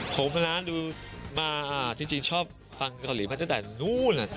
ผมคนนั้นดูมาจริงชอบฟังเกาหลีมาตั้งแต่นู้น